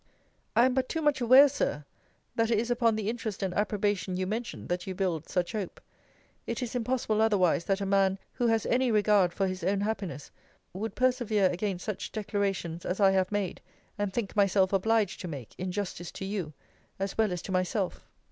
I am but too much aware, Sir, that it is upon the interest and approbation you mention, that you build such hope. It is impossible otherwise, that a man, who has any regard for his own happiness, would persevere against such declarations as I have made, and think myself obliged to make, in justice to you, as well as to myself.